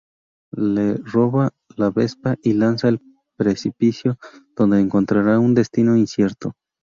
Le roba la Vespa y la lanza al precipicio, donde encontrará un destino incierto.